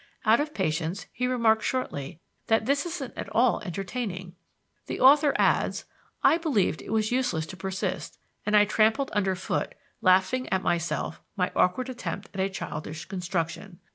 Out of patience, he remarked shortly that "this isn't at all entertaining." The author adds: "I believed it useless to persist, and I trampled under foot, laughing at myself, my awkward attempt at a childish construction."